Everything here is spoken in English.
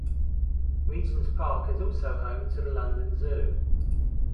Regent's Park is also home to the London Zoo.